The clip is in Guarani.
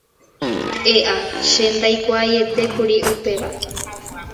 E'a, che ndaikuaaietékuri upéva.